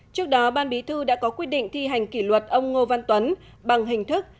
trước đó ban bí thư đã có quyết định thi hành kỷ luật ông ngô văn tuấn bằng hình thức